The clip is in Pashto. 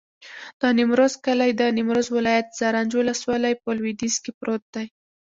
د نیمروز کلی د نیمروز ولایت، زرنج ولسوالي په لویدیځ کې پروت دی.